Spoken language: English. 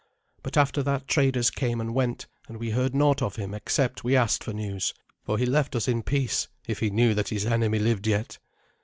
But after that traders came and went, and we heard naught of him except we asked for news; for he left us in peace, if he knew that his enemy lived yet.